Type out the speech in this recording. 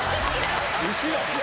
後ろ！